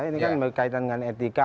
ini kan berkaitan dengan etika